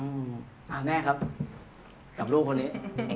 อะแม่ครับกับลูกคนนี้